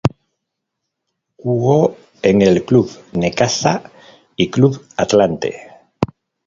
Jugó en el Club Necaxa y Club Atlante.